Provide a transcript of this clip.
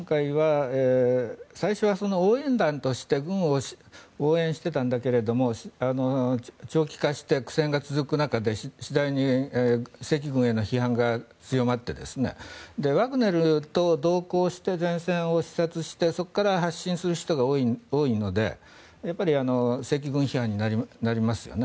最初は応援団として軍を応援していたんだけど長期化して苦戦が続く中で次第に正規軍への批判が強まってワグネルと同行して前線を視察してそこから発信する人が多いので正規軍批判になりますよね。